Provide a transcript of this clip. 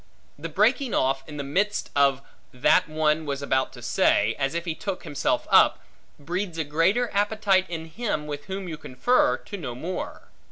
The breaking off, in the midst of that one was about to say, as if he took himself up, breeds a greater appetite in him with whom you confer, to know more.